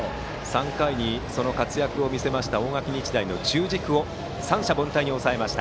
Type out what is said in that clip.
３回に活躍を見せた大垣日大の中軸を三者凡退に抑えました。